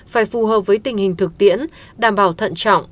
phải phù hợp với tình hình thực tiễn đảm bảo thận trọng